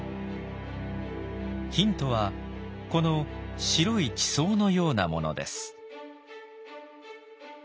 ヒントはこの白い地層のようなものです。